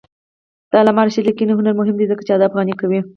د علامه رشاد لیکنی هنر مهم دی ځکه چې ادب غني کوي.